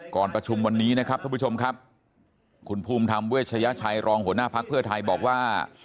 ก่อนประชุมวันนี้นะครับท่านผู้ชมครับคุณภูมิธรรมเวชยชัยรองหัวหน้าภักดิ์เพื่อไทยบอกว่า